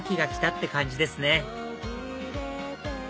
って感じですね